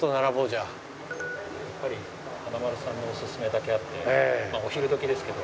やっぱり華丸さんのオススメだけあってお昼時ですけど。